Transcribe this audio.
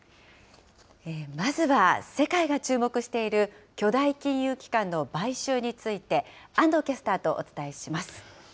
まずは、世界が注目している巨大金融機関の買収について、安藤キャスターとお伝えします。